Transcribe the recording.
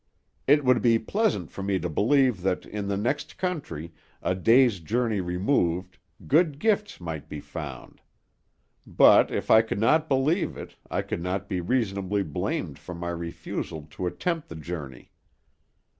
It would be pleasant for me to believe that, in the next country, a day's journey removed, good gifts might be found; but if I could not believe it, I could not be reasonably blamed for my refusal to attempt the journey.